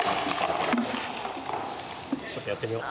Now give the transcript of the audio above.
ちょっとやってみよう。